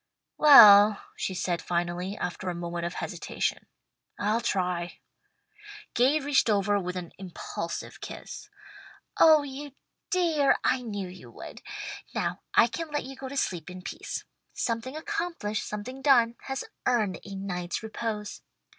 "Well," she said finally, after a moment of hesitation, "I'll try." Gay reached over with an impulsive kiss. "Oh you dear! I knew you would. Now I can let you go to sleep in peace. 'Something accomplished, something done, has earned a night's repose.'